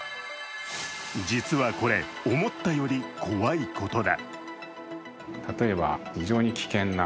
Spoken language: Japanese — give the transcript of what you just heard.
実はこれ、思ったより怖いことだ。